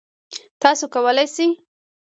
تاسو کولی شئ